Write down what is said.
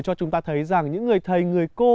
cho chúng ta thấy rằng những người thầy người cô